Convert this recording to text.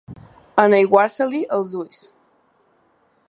Enaiguar-se-li els ulls.